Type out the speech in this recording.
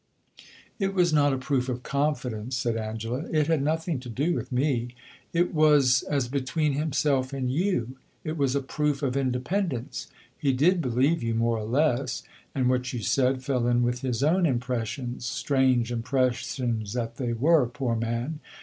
"It was not a proof of confidence," said Angela. "It had nothing to do with me. It was as between himself and you; it was a proof of independence. He did believe you, more or less, and what you said fell in with his own impressions strange impressions that they were, poor man!